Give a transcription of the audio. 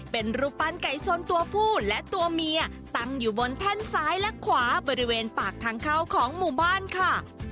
เป็นรูปปั้นไก่ชนตัวผู้และตัวเมียตั้งอยู่บนแท่นซ้ายและขวาบริเวณปากทางเข้าของหมู่บ้านค่ะ